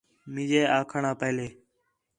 مینجے آکھݨ آ پہلے